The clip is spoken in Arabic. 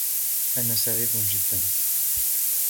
أنا سعيد جداً.